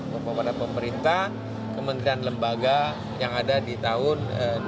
kepala pemerintah kementerian lembaga yang ada di tahun